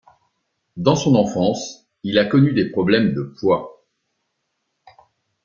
Dans son enfance, il a connu des problèmes de poids.